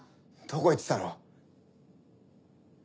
どこ行ってたの？